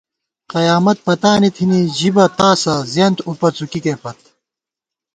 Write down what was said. قیامت پَتانی تھنی، ژِبہ تاسہ زیَنت اُپہ څُکِکےپت